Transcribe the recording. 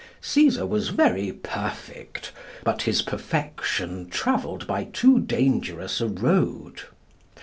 Cæsar was very perfect, but his perfection travelled by too dangerous a road.